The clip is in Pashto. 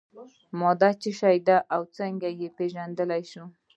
ماده څه شی ده او څنګه یې پیژندلی شو.